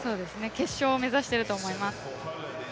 決勝を目指していると思います。